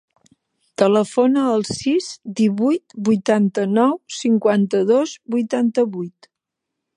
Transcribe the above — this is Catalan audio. Telefona al sis, divuit, vuitanta-nou, cinquanta-dos, vuitanta-vuit.